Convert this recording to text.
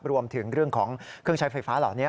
รวมถึงเรื่องของเครื่องใช้ไฟฟ้าเหล่านี้